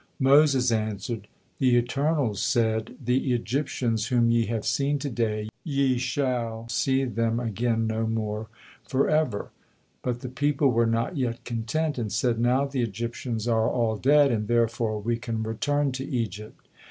Moses answered: "The Eternal said, 'The Egyptians whom ye have seen to day, yes shall see them again no more forever.'" But the people were not yet content, and said, "Now the Egyptians are all dead, and therefore we can return to Egypt."